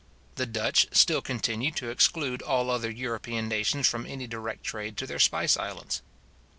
The Dutch still continue to exclude all other European nations from any direct trade to their spice islands.